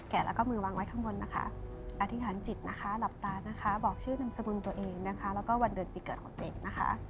แกะแล้วก็มือวางไว้ข้างบนนะคะอธิษฐานจิตหลับตาบอกชื่อนำสมุนตัวเองแล้วก็วันเดือนปีเกิดของตัวเอง